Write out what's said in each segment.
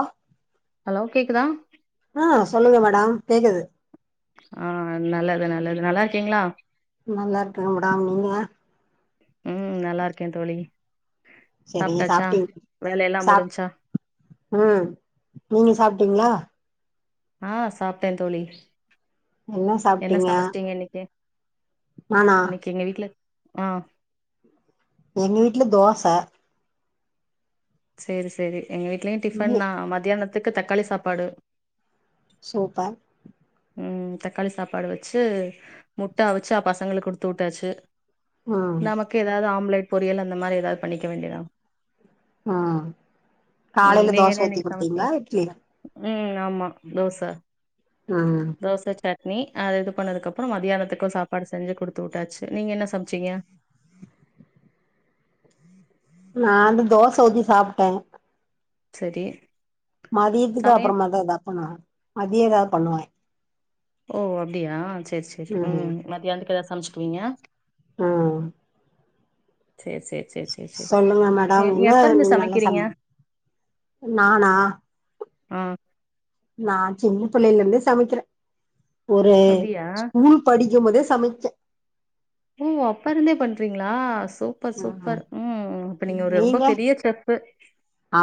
ஆ hello கேக்குதா ஆ சொல்லுங்க மேடம் கேக்குது ஆ நல்லது நல்லது நல்லா இருக்கீங்களா நல்லா இருக்கேங் மேடம் நீங்க ம் நல்லா இருக்கே தோழி சரி சாப்ட்டாச்சா சாப்ட்டீங் வேல எல்லா சாப் முடிஞ்ச்சா ம் நீங்க சாப்ட்டீங்களா ஆ சாப்ட்டே தோழி என்ன சாப்ட்டீங்க சமச்சிங்க இன்னைக்கு நானா இன்னைக்கு எங்க வீட்ல ஆ எங்க வீட்டுல தோச சேரி சேரி எங்க வீட்லயு ம் டிஃபன்தா மத்தியானத்துக்கு தக்காளி சாப்பாடு சூப்பர் ம் தக்காளி சாப்பாடு வச்சு முட்ட அவிச்சு அ பசங்களுக்கு குடுத்து வுட்டாச்சு ம் நமக்கு ஏதாதது ஆம்லேட் பொரியல் அந்தமாரி ஏதாது பண்ணிக்க வேண்டியதா ம் ம் காலைல நீங்க தோச என்ன ஊத்தி இன்னைக்கு குடுத்தீங்ளா சமச்சீங்க இட்லி ம் ஆமா தோச ஆ தோச சட்னி அத இது பண்ணதுக் அப்புறோ மதியானத்துக்கு சாப்பாடு செஞ்சு குடுத்து உட்டாச்சு நீங்க என்ன சமச்சிங்க நானு தோச ஊத்தி சாப்ட்ட சரி மதியத்துக்கு சமையல் அப்புறமாதா எதாவ் பண்ணுவே மதியோ எதாவ் பண்ணுவே ஓ அப்டியா செர் சேரி ம் மத்தியானத்துக் எதாது சமச்சுக்குவீங்க அ சேர் சேர் சேர் சே சொல்லுங்க மேடம் ம் என்ன எப்பருந்து நீங்க நல்லா சமக்கிறீங்க சம நானா ஆ நா சின்ன பிள்ளைல இருந்தே சமைக்கற ஒரு அப்டியா ஸ்கூல் படிக்கும்போதே சமைச்ச ஓ அப்பா இருந்தே பண்றீங்ளா சூ சூப்பர் சூப்பர் ம் அப்ப நீங்க ஒரு ரொம்ப பெரிய செஃபு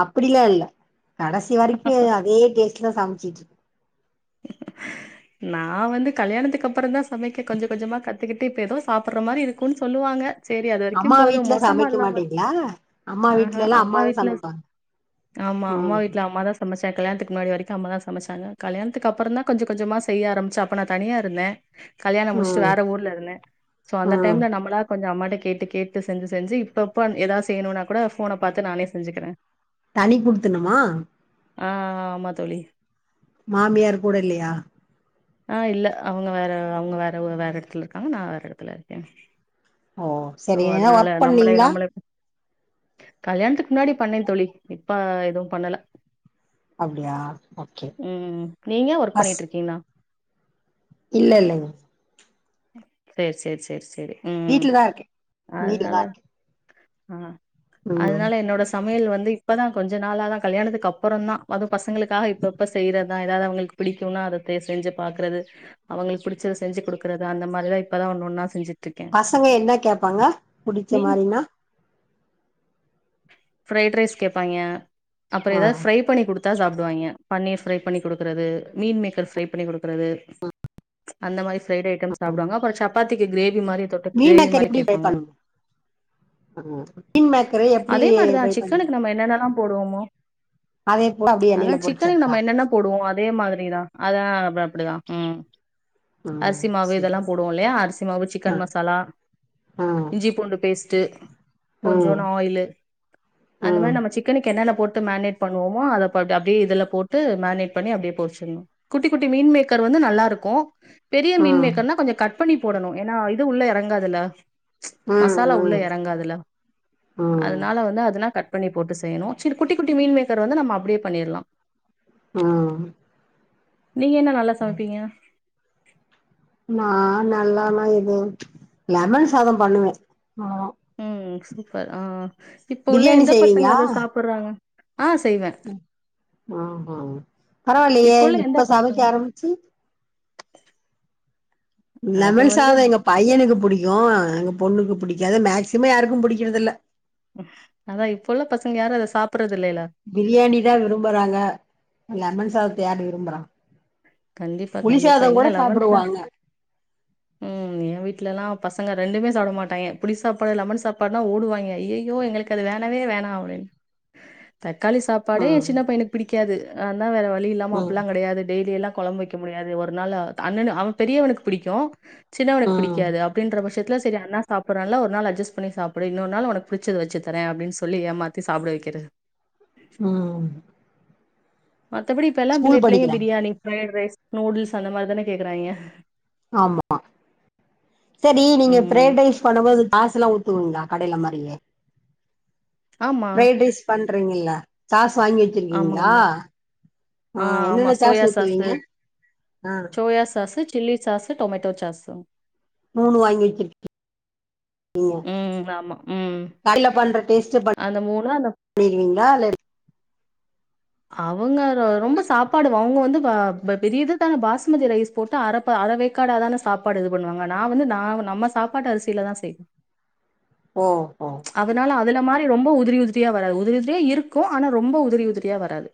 அப்டிலா இல்ல கடைசி வரைக்கு அதே டேஸ்ட்ல சமச்சிட்ரு நா வந்து கல்யாணத்துக்கு அப்புறோ தா சமைக்க கொஞ்ச கொஞ்சமா கத்துக்கிட்டு இப்ப ஏதோ சாப்படுற மாரி இருக்குன்னு சொல்லுவாங்க சேரி அது வரைக்கு அம்மா போது வீட்ல மோசமா சமைக்க இல்லாம மாட்டீங்களா அம்மா ஆஹா வீட்லலா அம்மா அம்மாதா வீட்ல சமைப்பாங்க ஆமா அம்மா ம் வீட்ல அம்மாதா சம் சமைச்சே கல்யாணத்துக்கு முன்னாடி வரைக்கு அம்மா தா சமைச்சாங்க கல்யாணத்துக்கப்றந்தா கொஞ்ச கொஞ்சமா செய்ய ஆரம்பச்சே அப்ப நா தனியா இருந்தே கல்யாணோ முடிச்சுட்டு ம் வேற ஊர்ல இருந்த சோ அந்த ம் டைம்ல நம்பளா கொஞ்சோ அம்மாட்ட கேட்டு கேட்டு செஞ்சு செஞ்சு இப்ப இப்ப எதாத் செய்யணுனா கூட ஃபோன பாத்து நானே செஞ்சுகற தனி குடுத்துணமா ஆ ஆ ஆமா தோழி மாமியார் கூட இல்லயா [inaudible] ஆ இல்ல அவுங்க வேற அவுங்க வேற ஊ வேற எடத்துல இருக்காங்க நா வேற எடத்துல இருக்கே ஓ சோ சரி ஏனா அதுனால ஒர்க் நம்லே பண்ணீங்களா நம்ள கல்யாணத்துக்கு முன்னாடி பண்ணே தோழி இப்ப எதும் பண்ல அப்டியா ஓகே ம் நீங்க ஒர்க் பஸ் பண்ணிட்ருக்கீங்ளா இல்ல இல்லைங் சேர் சேர் சேர் செரி வீட்லதா இருக்கே வீட்லதா இருக்கே ஆ ம் அதனால என்னோட சமையல் வந்து இப்போதா கொஞ்ச நாளா தா கல்யாணத்துக்கு அப்புறோ தா அதுவு பசங்களுக்காக இப்போ இப்போ செய்யிறதுதா ஏதாவது அவுங்களுக்கு பிடிக்கும்னா அத தே செஞ்சு பாக்குறது அவுங்களுக்கு பிடிச்சத செஞ்சு குடு க்றது அந்தமாரித இப்பதா ஒன்னு ஒன்னா செஞ்சு பசங்க என்ன கேப்பாங்க புடிச்ச மாதிரினா ப்ரைட் ரைஸ் கேப்பாங்கெ அப்ரோ ஆ ஏதாது ஃப்ரை பண்ணி கொடுத்தா சாப்டுவாய்ங்க பன்னீர் ஃப்ரை பண்ணி கொடுக்குறது மீள் மேக்கர் ஃப்ரை பண்ணி கொடுக்குறது அந்த மாரி ஃப்ரைட் ஐட்டம் சாப்டுவங்க அப்புறோ சபாத்திக்கி கிரேவி மாரி தொட் மீன் கிரேவி எக்கர் மாரி எப்டி ஃப்ரை கேப்பாங்க பண்ணுவீங்க ம் மீன் மேக்கரு எப்டி அதேமாரிதா ஃப்ரை பண்ணி சிக்கனுக்கு நம்ம என்னென்னலா போடுவமோ அதே போல அப்டியே அதா எண்ணெயில சிக்கனக்கு பொரிச்சர்தா நம்ம என்னென்ன போடுவோ அதே மாதிரிதா அத அ அப்பிடிதா ம் ம் அரிசி மாவு சரி இதெல்லா போடுவோ இல்லியா அரிசி மாவு ஆ சிக்கன் மசாலா ஆ இஞ்சி பூண்டு பேஸ் ட்டு ம் கொஞ்சூண்டு ஆயிலு அந்த ம் மாரி நம்ம சிக் சிக்கனுக்கு என்னென்ன போட்டு மேரினேட் பண்ணுவோமோ அத அப்டியே இதுல போட்டு மேரினேட் பண்ணி அப்டியே பெரிச்சிறணு குட்டி குட்டி மீன் மேக்கர் வந்து நல்லா இருக்கு பெரிய மீன் ம் மேக்கர்னா கொஞ்சோ கட் பண்ணி போடணு ஏன்னா இது உள்ள எறங்காதுல்ல மசாலா உள்ள ம் எறங்கதுல ம் அதனால வந்து அதுனா கட் பண்ணி போட்டு செய்யுனு சிறு குட்டி குட்டி மீன் மேக்கர் வந்து நம்ம அப்பிடியே பண்ணிறலா ம் நீங்க என்ன நல்லா சமப்பீங்க நா நல்லான்னா இது லெமன் சாதோ பண்ணுவே அவ்ளோதா ம் சூப்பர் ஆ இப்ப உள்ள பிரியாணி எந்த பசங்க செய்வீங்களா அத சாப்பிட்றாங்க ஆ செய்வே ஆ ஆ பரவாயில்லயா உள்ள எந்த இப்ப சமைக்க பசங்க ஆரம்பிச்சு அது லெமன் வந்து சாதோ எங்க பையனுக்கு புடிக்கு எங்கள் பொண்ணுக்கு புடிக்காது மேக்சிமம் யாருக்கு புடிக்கிறதில்ல அதா இப்ப உள்ள பசங்க யாரு அத சாப்பிட்றது இல்லல்ல பிரியாணி தா விரும்புறாங்க லெமன் சாதத்த யார் விரும்புறா கண்டிப்பா கண்டிப்பா புளிசாதம் எங்க கூட லெமன் சா சாப்பிடுவாங்க ம் ஏ வீட்ல எல்லா பசங்க ரெண்டுமே சாப்பிட மாட்டாங்க புளி சாப்பாடு லெமன் சாப்பாடுனா ஓடுவாங்க ஐய்யய்யோ எங்களுக்கு அது வேணவே வேணா அப்டின்னு தக்காளி சாப்பாடே ஏ ம் சின்ன பையக்கு பிடிக்காது நாதா வேற வழி இல்லாம ம் அப்பிடில்லா கெடையது டெய்லி எல்லா கொழம்பு வைக்க முடியாது ஒரு நாள் அண்ண அவ பெரியவனுக்கு பிடிக்கு சின்னவனுக்கு ம் பிடிக்காது அ அப்டின்ற பட்சத்துத்தில் செரி அண்ணா சாப்பிட்றான்ல ஒரு நாள் அட்ஜஸ்ட் பண்ணி சாப்பிடு இன்னொரு நாள் உனக்கு புடிச்சது வெச்சு தரே அப்டின் சொல்லி ஏமா த்தி சாப்பிட வைக்கிறது ம் மத்தபடி இப்பெல்லா பிள்ளை ஸ்கூல் பிள்ளைங்க படிக்கிறாங்க பிரியாணி ஃபிரைட் ரைஸ் நூடுல்ஸ் அந்த மாரி தானே கேக்குறாங்க ஆமா செரி நீங்க ம் ஃபிரைட் ரைஸ் பண்ணும்போது சாஸ் எல்லா ஊத்துவீங்களா கடையில மாரியே ஆமா ஃபிரைட் ரைஸ் பண்றீங்கல்ல சாஸ் வாங்கி ஆமா வெச்சிருக்கீங்களா ஆமா ஆ ஆமா சோயா சாஸ்சு ஆ soya sauce chilli sauce tomato sauce மூனு வாங்கி வச்சிருக் கீங்க ம் ஆமா. ம். கடைல பண்ற டேஸ்ட்டு பண் அந்த அந்த ணிருவீங்களா இல்ல அவங்க ரொ ரொம்ப சாப்பாடு வ அவுங்க வந்து வ பெ பெரியது இது தான பாஸ்மதி ரைஸ் போட்டு அர ப அரவேக்காடா தான சாப்பாடு இது பண்ணுவாங்க நா வந்து நா நம்ம சாப்பாட்டு அரிசியில தா செய்வே ஓ ஓ அதனால அதுல மாரி ரொம்ப உதிரி உதிரியா வராது உதிரி உதிரியா இருக்கு ஆனா ரொம்ப உதிரி உதிரி யா வராது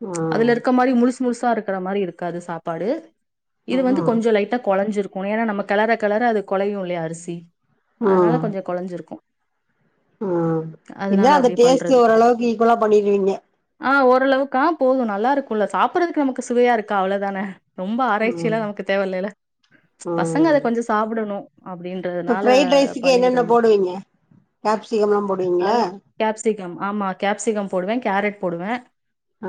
ஆ அதுல இருக்க மாரி முழுசு முழுசா இருக்கிற மாரி இருக்காது சாப்பாடு இது வந்து ம் கொஞ்சோ லைட்டா கொலஞ்சிருக் ஏனா நம்ம கெலர கெலர அது கொலையு இல்லையா அரிசி அதனால கொஞ்சோ கொலஞ்சிருக்கு ஆ இதா அந்த அப்டி டேஸ்ட்டு பண்றது ஓரளவுக்கு ஈக்குவலா பண்ணிருவீங்க ஆ ஓரளவுக்கா போது நல்லா இருக்குல்ல சாப்பிட்றதுக்கு நமக்கு சுவையா இருக்கா அவ்ளதான ரொம்ப ஆராய்ச்சி ம் எல்லா நமக்கு தேவ இல்லல பசங்க அத கொஞ்சோ சாப்டணு அப்டினு இப்போ ஃப்ரைட் ரைஸுக்கு என்னென்ன போடுவீங்க கேப்சிகம்லா போடுவீங்ள அது கேப்சிகம் ஆமா கேப்சிகம் போடுவே கேரட் போடுவே ஆ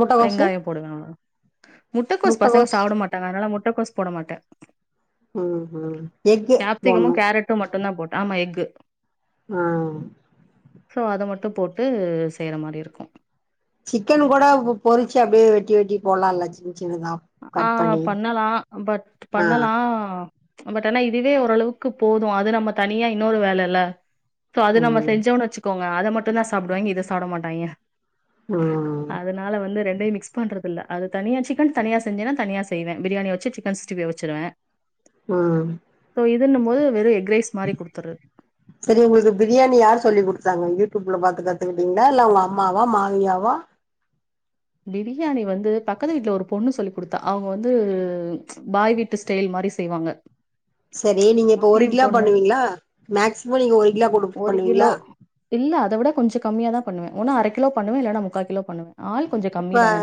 முட்டகோசு வெங்காயோ போடுவே அவ்ளதா முட்டகோஸ் பசங்க சாப்ட மாட்டாங்க அதனால முட்டக்கோஸ் போட மாட்டே ஆ ஹா எக்கு போண்ணு முட்ட மட்டுந்தா போட் ஆமா எக்கு ஆ சோ அத மட்டு போட்டு செய்ற மாரி இருக்கு சிக்கன் கூட பொ பொறிச்சு அப்டியே வெட்டி வெட்டி போட்லால்ல சின்ன சின்னதா ஆ கட் பண்ணி பண்ணலா பட் ஆ பண்ணலா பட் ஆனா இதுவே ஓரளவுக்கு போது அது நம்ம தனியா இன்னொரு வேல இல்ல சோ அது நம்ம ம் செஞ்சோன் வச்சுக்கோங்க அத மட்டு தா சாப்டுவாய்ங்க இங்க இத சாப்ட மாட்டாய்ங்க ஆ அதனால வந்து ரெண்டையு மிக்ஸ் பண்றது இல்ல அது தனியா சிக்கன் தனியா செஞ்சேன்னா தனியா செய்வே பிரியாணி வச்சி சிக்கன் சிக்ஸ்ட்டி ஃபை வச்சிருவே ஆ சோ இதுன்னும் போது வெறு எக்ரைஸ் மாறி குடுத்துர சரி உங்ளுக்கு பிரியாணி யார் சொல்லி குடுத்தாங்க யூடியூப்ல பாத்து கத்துக்கிட்டீங்ளா இல்ல உங்க அம்மாவா மாமியாவா பிரியாணி வந்து பக்கத்து வீட்ல ஒரு பொண்ணு சொல்லி் குடுத்தா அவுங்க வந்து பாய் வீட்டு ஸ்டைல் மாரி செய்வாங்க சரி நீங்க இப்ப ஒரு முஸ்லீம் கிலோ பொண்ணு. பண்ணுவீங்ளா மேக்சிமோ நீங்க ஒரு கிலோ போட்டு கிலோ பண்ணுவீங்ளா இல்ல அத விட கொஞ்ச கம்மியா தா பண்ணுவே ஒன்னு அர கிலோ பண்ணுவே இல்லன்னா முக்கா கிலோ பண்ணுவே ஆள் கொஞ்சம் கம்மி இப்ப தான.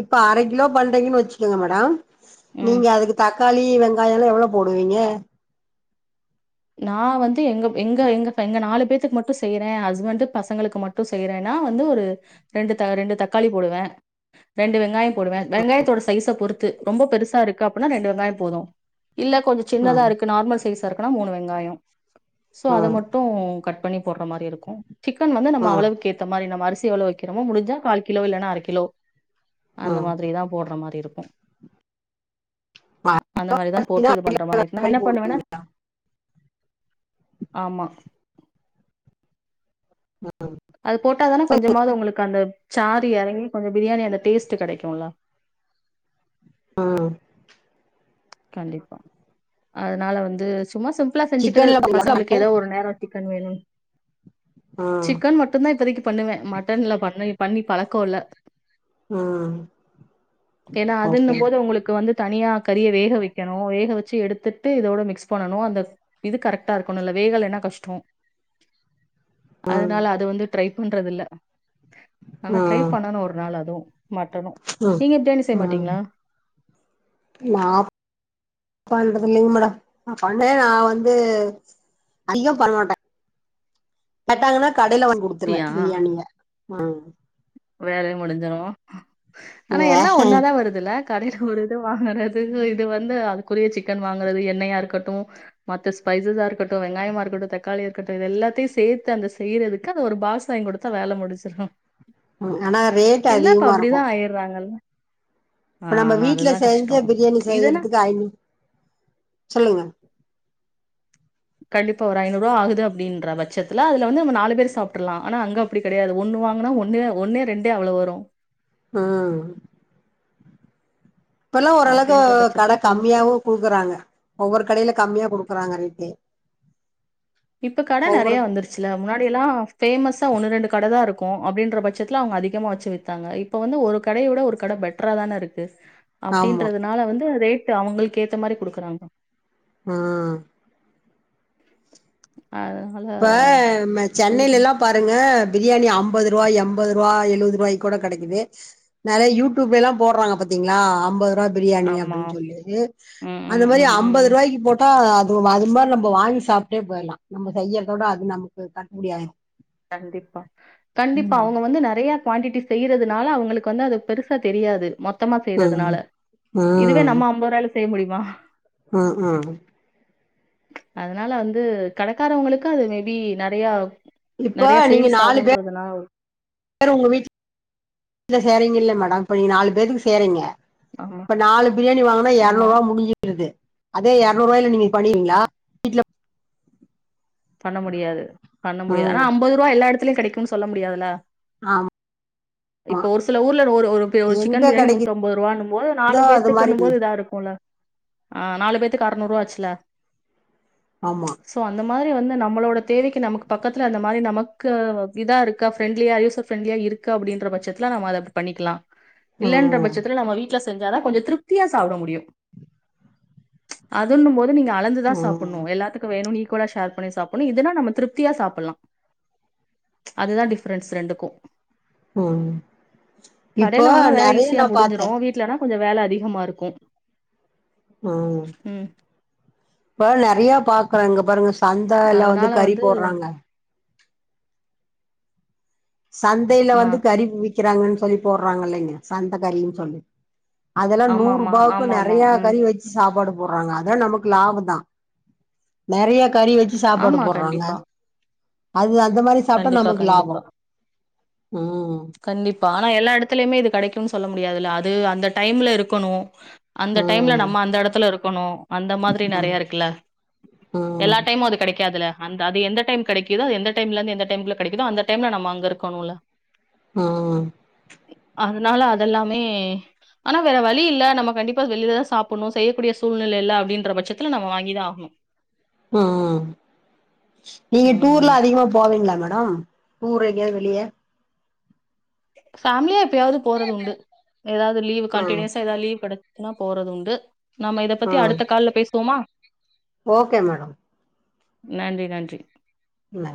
இப்ப அர கிலோ பண்றிங்கன் வச்சிக்கோங்க மேடோ ம். நீங்க அதுக்கு தக்காளி வெங்காயோல்லா எவ்ளோ போடுவீங்க நா வந்து எங்க எங்க எங்க எங்க நாலு பேத்துக்கு மட்டு செய்றே ஹஸ்பண்டு பசங்களுக்கு மட் டு செய்றேன்னா வந்து ஒரு ரெண்டு த ரெண்டு தக்காளி போடுவே ரெண்டு வெங்காயோ போடுவே வெங்காயத்தோட சைஸ பொறுத்து ரொம்ப பெருசா இருக்கு அப்புன்னா ரெண்டு வெங்காயோ போதோ இல்ல கொஞ்சோ சின்னதா ம் இருக்கு நார்மல் சைஸ்ஸா இருக்குனா மூணு வெங்காயோ சோ அத ம் மட்டு கட் பண்ணி போட்ற மாரி இருக் கு சிக்கன் வந்து நம்ம ம் அளவுக்கு ஏத்த மாரி நம்ம அரிசி எவ்ளோ வைக்கிறோமோ முடிஞ்சா கால் கிலோ இல்லன்னா அர கிலோ அந்த ம் மாதிரிதா போட்ற மாரி இருக்கு அந்த மாரிதா போட்டு இது பண்ற மாரி இருக்கு நா என்ன பண்ணுவேனா ஆமா [inaudible] அது போட்டாதான கொஞ்சமாது உங்குளுக்கு அந்த சாறு எறங்கி கொஞ்சோ பிரியாணி அந்த டேஸ்ட் கெடைக்குல அ கண்டிப்பா அதுனால வந்து சும்மா சிம்பிளா செஞ்சிக்கிறது சிக்கன்ல போடுவீங்களா பசங்களுக்கு மட்டன் எதோ ஒரு நேரோ சிக்கன் வேணு ம் சிக்கன் மட்டுந்தா இப்பத்திக்கு பண்ணுவே மட்டன்ல பண்ண பண்ணி பழக்கோ இல்ல ம் ஏனா ஓகே அதுன்னும் போது உங்குளுக்கு வந்து தனியா கறிய வேக வைக்கணு வேக வச்சி எடுத்துட்டு இதோட மிக்ஸ் பண்ணனு அந்த இது கரெக்ட்டா இருக்கணுல வேகலன்னா கஷ்ட்டோ அதனால அது வந்து ட்ரை பண்றது இல்ல ஆனா ட்ரை ம் பண்ணனு ஒரு நாள் அதுவு மட்டனு ம் நீங்க பிரியாணி செய்ய ம் மாட்டீங்களா நா பண்றது இல்லைங்க மேடம் நா பண்ண நா வந்து அதிகோ பண்ண மாட்டே கட்டாங்கன்னா கடைல வாங்கி குடுத்துருவே ட்டியா பிரியாணிய அ வேலையு முடிஞ்சிரு ஆனா வே எல்லா ஒன்னாதா வருதுல கடைல ஒரு இது வாங்குறது இது வந்து அதுக்குரிய சிக்கன் வாங்குறது எண்ணயா இருக்கட்டு மத்த ஸ்பைசஸா இருக்கட்டு வெங்காயமா இருக்கட்டு தக்காளியா இருக்கட்டு இது எல்லாத்தையு சேத்து அந்த செய்றதுக்கு அத ஒரு பாக்ஸ் வாங்கி குடு தா வேல முடிச்சுரு ம் ஆனா ரேட் அதிகமாருக்கு பேயிட்றாங்கல்ல இப்ப நம்ப வீட்ல செஞ்ச பிரியாணி இதுன்னா செய்யறதுக்கு ஐநூ சொல்லுங்க கண்டிப்பா ஒரு ஐநூற்வா ஆகுது அப்டின்ற பட்சத்துல அதுல வந்து நம்ம நாலு பேர் சாப்ட்ருலா ஆனா அங்க அப்டி கெடையாது ஒன்னு வாங்குனா ஒன்னு ஒன்னே ரெண்டே அவ்ளோ வரு ஆ இப்பல்லா ஓரளவுக்கு அப்டின்ற கட பட்சத்துல கொஞ் கம்மியாவு குடுக்குறாங்க ஒவ்வொரு கடைல கம்மியா குடுக்குறாங்க ரேட்டு இப்ப கடை நெறைய ஒவ்வொரு வந்துருச் சில முன்னாடி எல்லா ஃபேமஸா ஒன்னு ரெண்டு கடை தா இருக்கு அப்டின்ற பட்சத்துல அவுங்க அதிகமா வச்சு வித்தாங்க இப் இப்ப வந்து ஒரு கடயோட ஒரு கட பெட்ரா தான இருக்கு ஆமா அப்டின்றதுனால வந்து ரேட்டு அவுங்களுக்கு ஏத்த மாரி குடுக்குறாங்க ஆ அதுனால இப்ப மே சென்னைல லா பாருங்க பிரியாணி அம்பதுருவா எம்பதுருவா எழுவதுருவாய் கூட கெடைக்கிது நெறைய யூடியூப்ல எல்லா போட்றாங்க பாத்தீங்ளா அம்பது ருவா பிரியாணி ஆமா அப்டினு சொல்லிட்டு ம் அந்த ம் மாரி ம் ம் ம் அம்பதுருவாய்க்கு போட் ட்டா அது அது மாரி நம்ம வாங்கி சாப்டே போயிர்லா நம்ம செய்யறதோட அது நமக்கு கட்டுபடி ஆய்டும் கண்டிப்பா கண்டிப்பா அவுங்க வந்து நெறைய குவான்டிட்டி செய்றதுனால அவுங்களுக்கு வந்து அது பெருசா தெரியாது மொத் த்தமா ம் செய்றதுனால இதுவே நம்ம அம்பருவால செய்ய முடியுமா ஆ ஆ அதுனால வந்து கடைக்காரவங்களுக்கு அது மேபி நெறைய இப்போ நெறைய நீங்க சேல்ஸ் நாலு பே ஆகுன்றதுனால சரி உங்க வீட்ல சேறீங்க இல்ல மேடம் இப்ப நீ நாலு பேருக்கு சேறீங்க ஆமா இப்ப நாலு பிரியாணி வாங்குனா இரநூறு ஆமா ரூவா முடிஞ்சுடுது அதே இரநூறு ரூவால நீங்க பண்ணுரூவீங்களா பண்ண முடியாது பண்ண முடியாது ஆனா ம் அம்பது ரூவா எல்லா எடத்துலயும் கிடைக்குன் சொல்ல முடியாதுல்ல ஆம் இப்போ ஒரு சில ஊர்ல ஒரு ஒரு ஒரு சிக்கன் எங்க பிரியாணி கெடைக்குதோ நூத்தம்பது ரூவானும் போது நாலு அது மாரி பேத்துக்குணும் போது இதா இருக்குல ஆ நாலு பேத்துக் அறநூறுவா ஆச்சுல ஆமா சோ அந்தம் இந்த மாரி வந்து நம்மளோட தேவைக்கு நமக்கு பக்கத்துல அந்த மாரி நமக்கு இதா இருக்கா ஃப்ரெண்ட்லியா யூசர் ஃப்ரண்ட்லியா இருக் கு அப்டின்ற பட்சத்துல நம்ம அத பண்ணிக்கலாம் இல்லன்ற ம் பட்சத்துல நம்ம வீட் ல செஞ்சாதான் கொஞ்ச திருப்தியா சாப்ட முடியும் அதுன்னு மோது நீங்க அ கலந்துதான் ம் சாப்புணும் எல்லாத்துக்கு வேணுன் இக்குவலா ஷேர் பண்ணி சாப்புணும் இதுனா நம்ம திருப்தியா சாப்பலாம் அதுதான் டிஃப்ரன்ஸ் ரெண்டுக்கும் ம் இப்போ கடேல வாங்குனா வேல நெறைய ஈஸியா நா பாத்தே முடிஞ்சுடும் வீட்லனா கொஞ்ஜோ வேல அதிகமாருக்கும் ஒ ம் இப்ப நெறைய பாக்றோம் இங்க பாருங்க சந்த எல்லா வந்து கறி போடுறாங்க சந்தைல ஆ வந்து கறி விக்கிறாங்கன்னு சொல்லி போடுறாங்கல்லீங்க சந்த கறின்னு சொல்லி அதுல்ல நூறு ஆமாமா ரூபாவுக்கு ஆமாமா நெறையா ம் கறி வச் சாப்பாடு போடுறாங்க அத நமக்கு லாபம் தான் நெறைய கறி வச் சாப்பாடு ஆமா போடுறாங்க கண்டிப்பா அது அந்த மாரி சாப்ட்டா கண்டிப்பா நமக்கு கண்டிப்பா லாபம் ம் கண்டிப்பா ஆனா எல்லா எடத்துலயுமே இது கெடைக்குன்னு சொல்ல முடியாதுல்ல அது அந்த டைம்ல இருக்கணு அந்த டைம்ல ம் நம்ம அந்த எடத்துல இருக்கணும் அந்த மாதிரி ம் நறைய இருக்குல்ல எல்லா ம் டைமு அது கெடைக்காதுல அந்த அது எந்த டைம் கெடைக்குதோ எந்த டைம்ல இருந்து எந்த டைம்ல கெடைக்குதோ அந்த டைம்ல நம்ம அங்க இருக்கணோல ம் அதனால அதெல்லாமே ஆனா வேற வழி இல்ல நம்ம கண்டிப்பா வெளில தா சாப்பணும் செய்யக்கூடிய சூழ்நிலை இல்ல அப்டின்ற பட்சத்துல நம்ப வாங்கிதா ஆகணு ம் நீங்க ம் டூர்லா அதிகமா போவீங்களா மடோம் ஊர்யெங்யாது வெளிய ஃபேமிலியா எப்பயாவது போறது உண்டு ஏதாது லீவ் ம் கண்டினியூஸா ஏதாது லீவ் கடச் னா போறது உண்டு நாம இத பத்தி ம் அடுத்த கால்ல பேசுவோமா ஓகே மேடம் நன்றி நன்றி இன்ன